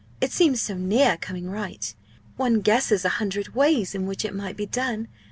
It seems so near coming right one guesses a hundred ways in which it might be done!